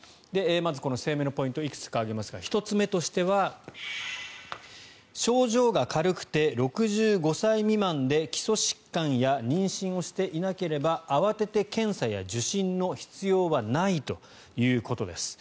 まず、声明のポイントをいくつか挙げますが１つ目としては症状が軽くて、６５歳未満で基礎疾患や妊娠をしていなければ慌てて検査や受診の必要はないということです。